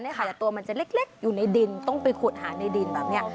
แต่ตัวมันจะเล็กอยู่ในดินต้องไปขุดหาในดินแบบนี้